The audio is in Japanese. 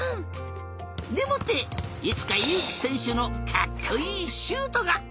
でもっていつかゆうきせんしゅのかっこいいシュートがみてみたいな！